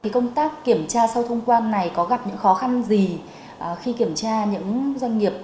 công tác kiểm tra sau thông quan này có gặp những khó khăn gì khi kiểm tra những doanh nghiệp